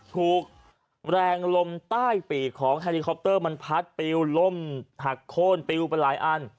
ถูกแรงลมใต้ปีกของแฮลิคอปเตอร์มันพัดปิวล่มหักโค้นปิวไปหลายอัน